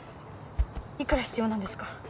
いくら必要なんですか？